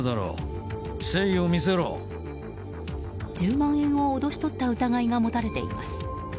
１０万円を脅し取った疑いが持たれています。